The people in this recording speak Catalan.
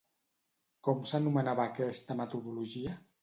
Com s'anomenava aquesta metodologia?